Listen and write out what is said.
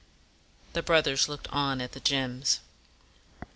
The brothers looked long at the gems.